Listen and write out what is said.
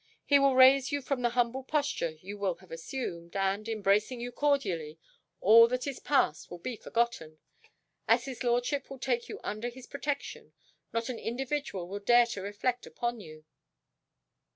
He will raise you from the humble posture you will have assumed, and, embracing you cordially, all that is past will be forgotten. As his lordship will take you under his protection, not an individual will dare to reflect upon you."